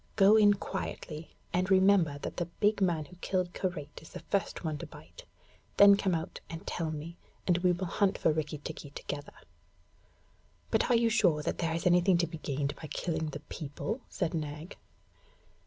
Go in quietly, and remember that the big man who killed Karait is the first one to bite. Then come out and tell me, and we will hunt for Rikki tikki together.' 'But are you sure that there is anything to be gained by killing the people?' said Nag.